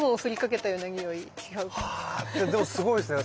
あでもすごいっすね。